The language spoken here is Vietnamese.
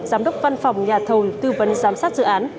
giám đốc văn phòng nhà thầu tư vấn giám sát dự án